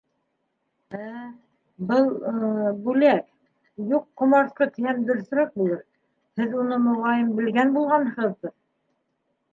Ә, был... бүләк, юҡ ҡомартҡы тиһәм дөрөҫөрәк булыр, һеҙ уны, моғайын, белгән булғанһығыҙҙыр.